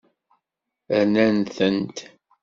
Rnan-tent.